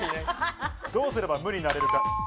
どうすれば無になれるか。